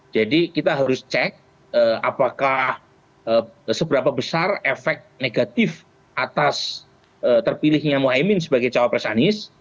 jadi kita harus cek apakah seberapa besar efek negatif atas terpilihnya muhammad sebagai cawapres anies